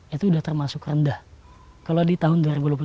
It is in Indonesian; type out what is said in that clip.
itu udah termasuk rendah kalau di tahun dua ribu dua puluh tiga